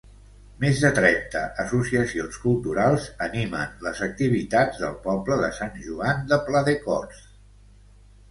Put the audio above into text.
Més de trenta associacions culturals animen les activitats del poble de Sant Joan de Pladecorts.